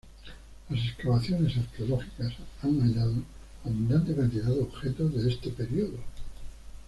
Las excavaciones arqueológicas han hallado abundante cantidad de objetos de este período.